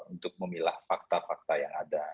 untuk memilah fakta fakta yang ada